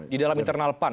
di dalam internal pan